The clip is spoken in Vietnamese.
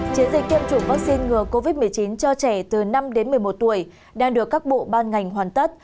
chuyển dịch tiêm chủng vắc xin ngừa covid một mươi chín cho trẻ từ năm đến một mươi một tuổi đang được các bộ ban ngành hoàn tất